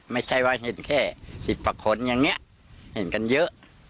ไม่ใช่ว่าเห็นแค่สิบประคลอย่างเงี้ยเห็นกันเยอะ